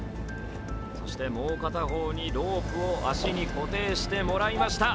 そしてもう片方にロープを足に固定してもらいました。